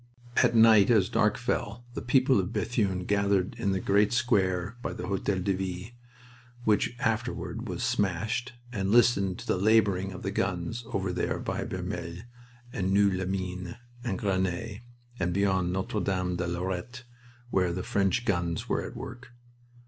At night, as dark fell, the people of Bethune gathered in the great square by the Hotel de Ville, which afterward was smashed, and listened to the laboring of the guns over there by Vermelles and Noeux les Mines, and Grenay, and beyond Notre Dame de Lorette, where the French guns were at work.